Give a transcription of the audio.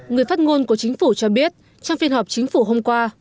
người phát ngôn của chính phủ cho biết trong phiên họp chính phủ hôm qua